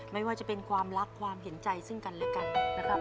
ไม่ว่าจะเป็นความรักความเห็นใจซึ่งกันและกันนะครับ